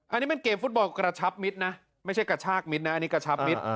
อันนี้เป็นเกมฟุตบอลกระชับมิตรนะไม่ใช่กระชากมิตรนะอันนี้กระชับมิตร